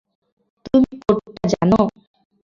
তুমি কোডটা জানো?